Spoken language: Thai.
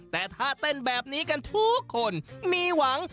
แต่ถ้าเต้นแบบนี้กันทุกคนมีหวัง